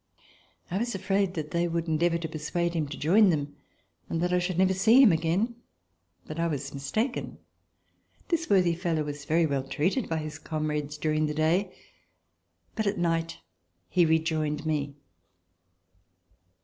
I was afraid that they would en deavor to persuade him to join them and that I should never see him again, but I was mistaken. This worthy fellow was very well treated by his comrades during the day, but at night he rejoined me.